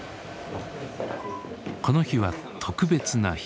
この日は特別な日。